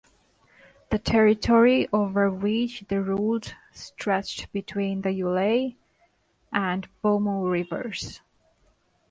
The territory over which they ruled stretched between the Uele and Mbomou rivers.